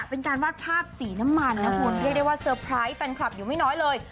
เป็นการวาดภาพสีน้ำมันนะคุณเรียกได้ว่าเซอร์ไพรส์แฟนคลับอยู่ไม่น้อยเลย